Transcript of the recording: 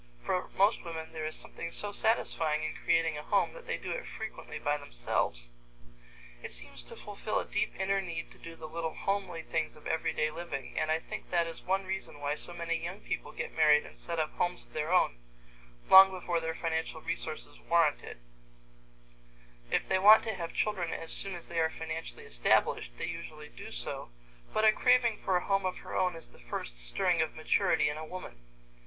For most women there is something so satisfying in creating a home that they do it frequently by themselves. It seems to fulfill a deep inner need to do the little homely things of everyday living, and I think that is one reason why so many young people get married and set up homes of their own long before their financial resources warrant it. If they want to have children as soon as they are financially established, they usually do so, but a craving for a home of her own is the first stirring of maturity in a woman.